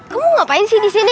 kamu ngapain sih disini